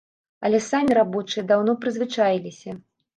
Але самі рабочыя даўно прызвычаіліся.